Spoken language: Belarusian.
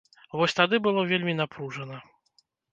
Вось тады было вельмі напружана.